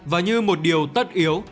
và như một điều tất yếu